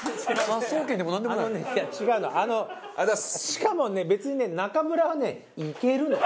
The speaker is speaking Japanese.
しかもね別にね中むらはね行けるの！